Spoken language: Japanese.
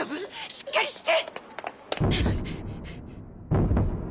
しっかりして！